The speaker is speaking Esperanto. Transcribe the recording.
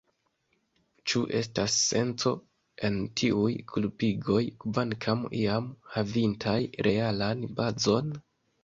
Ĉu estas senco en tiuj kulpigoj, kvankam iam havintaj realan bazon?